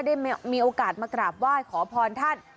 ได้มีโอกาสมากลับว่าขอพรท่าน